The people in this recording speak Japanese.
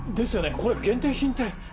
これ限定品って。